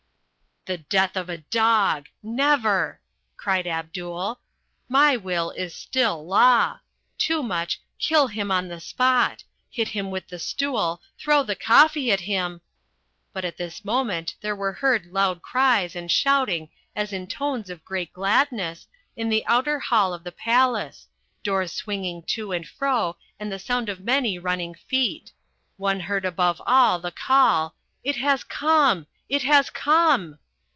"The death of a dog! Never!" cried Abdul. "My will is still law. Toomuch, kill him on the spot. Hit him with the stool, throw the coffee at him " But at this moment there were heard loud cries and shouting as in tones of great gladness, in the outer hall of the palace, doors swinging to and fro and the sound of many running feet. One heard above all the call, "It has come! It has come!"